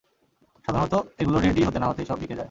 সাধারণত এগুলো রেডি হতে না হতেই সব বিকে যায়।